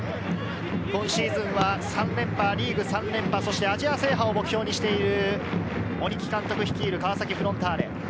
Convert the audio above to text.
今シーズンは３連覇、リーグ３連覇、そしてアジア制覇を目標にしている鬼木監督率いる川崎フロンターレ。